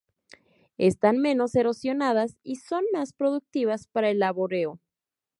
Están menos erosionadas y son más productivas para el laboreo.